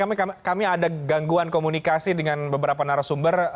oke tampaknya kami ada gangguan komunikasi dengan beberapa narasumber